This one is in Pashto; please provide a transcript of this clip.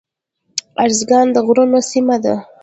ارزګان د غرونو سیمه ده